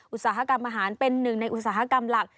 อุตสาหกรรมอาหารเป็นหนึ่งในอุตสาหกรรมหลัก